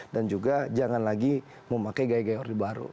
dan juga jangan lagi memakai gaya gaya order baru